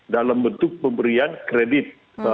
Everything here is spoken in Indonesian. dalam bentuk pemberian kredit